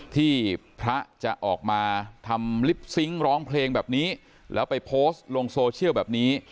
ที่พระจะออกมาทำลิปซิงค์ร้องเพลงแบบนี้แล้วไปโพสต์ลงโซเชียลแบบนี้